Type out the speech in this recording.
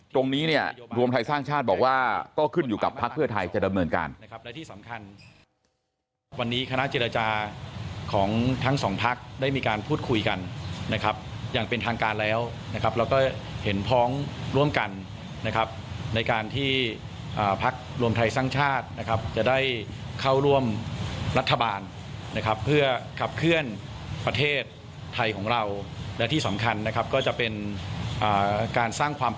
ตรงนี้เนี่ยรวมไทยสร้างชาติบอกว่าก็ขึ้นอยู่กับพักเพื่อไทยจะดำเนินการนะครับ